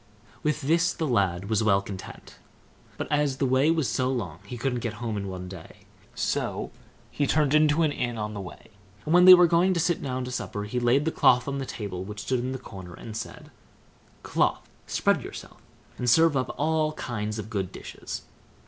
With this the lad was well content. But, as the way was so long he couldn't get home in one day, so he turned into an inn on the way; and when they were going to sit down to supper he laid the cloth on a table which stood in the corner, and said, "Cloth, spread yourself, and serve up all kinds of good dishes."